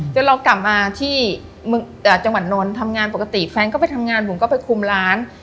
จนเรากลับมาที่จังหวัดนนท์ทำงานปกติแฟนก็ไปทำงานบุ๋มก็ไปคุมร้าน